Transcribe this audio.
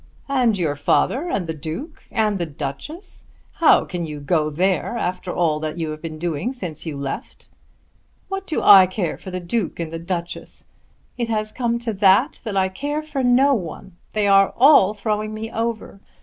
"And your father, and the Duke, and the Duchess! How can you go there after all that you have been doing since you left?" "What do I care for the Duke and the Duchess. It has come to that, that I care for no one. They are all throwing me over.